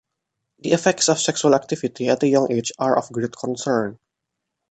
The effects of sexual activity at a young age are of great concern.